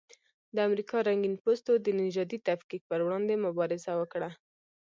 د امریکا رنګین پوستو د نژادي تفکیک پر وړاندې مبارزه وکړه.